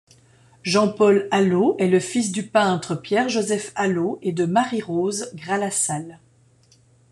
Jean-Paul Alaux est le fils du peintre Pierre-Joseph Alaux et de Marie-Rose Gras-Lassalle.